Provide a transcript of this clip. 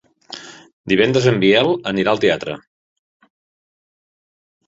Divendres en Biel anirà al teatre.